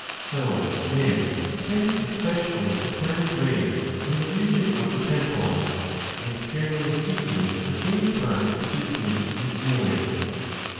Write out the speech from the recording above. So men tend especially to turn grey in the region of the temples, and generally speaking in any part which is weak and ailing.